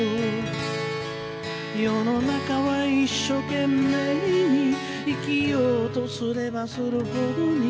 「世の中は一所懸命に生きようとすればするほどに」